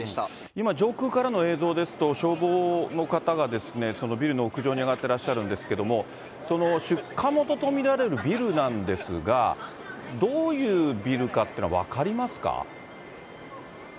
今、上空からの映像ですと、消防の方がですね、ビルの屋上に上がってらっしゃるんですけど、その出火元と見られるビルなんですが、どういうビルかっていうのは分かりますか。